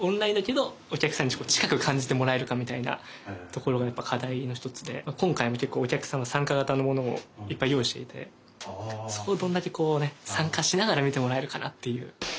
みたいなところがやっぱ課題の一つで今回も結構お客さんが参加型のものをいっぱい用意していてそこをどんだけこうね参加しながら見てもらえるかなっていう。